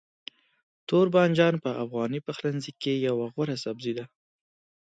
توربانجان په افغاني پخلنځي کې یو غوره سبزی دی.